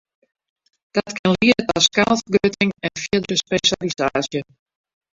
Dat kin liede ta skaalfergrutting en fierdere spesjalisaasje.